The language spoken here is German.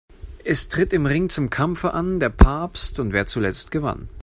Es tritt im Ring zum Kampfe an: Der Papst und wer zuletzt gewann.